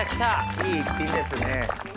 いい一品ですね。